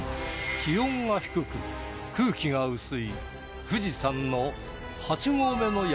気温が低く空気が薄い富士山の